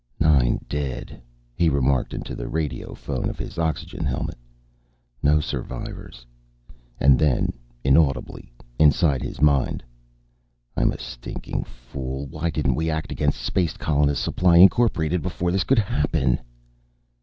"Nine dead," he remarked into the radio phone of his oxygen helmet. "No survivors." And then, inaudibly, inside his mind: "I'm a stinkin' fool. Why didn't we act against Space Colonists' Supply Incorporated, before this could happen?"